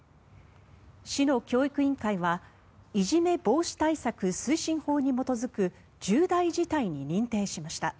市の教育委員会はいじめ防止対策推進法に基づく重大事態に認定しました。